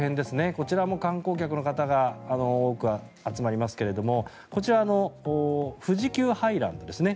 こちらも観光客の方が多く集まりますけどこちら、富士急ハイランドですね